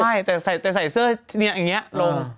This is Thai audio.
ใช่แต่ใส่เสื้ออย่างนี้ลง